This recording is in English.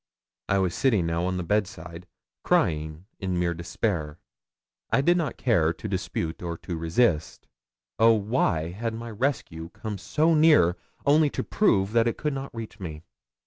I was sitting now on the bedside, crying in mere despair. I did not care to dispute or to resist. Oh! why had rescue come so near, only to prove that it could not reach me?